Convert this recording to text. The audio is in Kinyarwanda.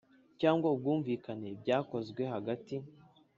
Cyangwa ubwumvikane byakozwe hagati